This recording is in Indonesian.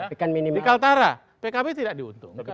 di kaltara pkb tidak diuntungkan